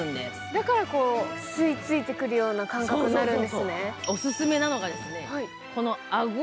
だから、こう吸いついてくるような感覚になるんですね。